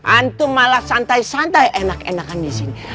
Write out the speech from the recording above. antu malah santai santai enak enakan di sini